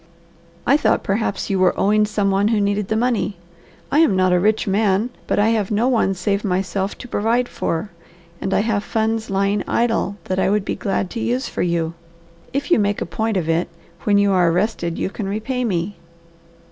"I thought perhaps you were owing some one who needed the money. I am not a rich man, but I have no one save myself to provide for and I have funds lying idle that I would be glad to use for you. If you make a point of it, when you are rested, you can repay me."